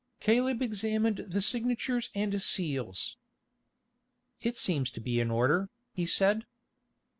Caleb examined the signatures and seals. "It seems to be in order," he said.